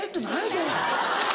それ。